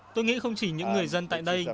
tôi nghĩ không chỉ những người dân tại đây